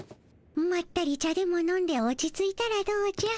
まったり茶でも飲んで落ち着いたらどうじゃ？